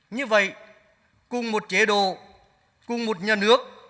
như vậy cùng một chế độ cùng một nhà nước